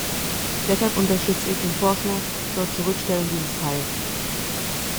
Deshalb unterstütze ich den Vorschlag zur Zurückstellung dieses Teils.